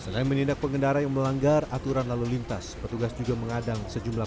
selain menindak pengendara yang melanggar aturan lalu lintas petugas juga mengadang sejumlah